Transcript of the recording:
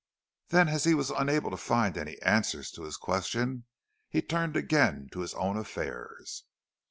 Then as he was unable to find any answer to his question he turned again to his own affairs.